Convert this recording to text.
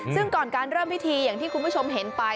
ซึ่งก่อนการเริ่มพิธีอย่างที่คุณผู้ชมเห็นไป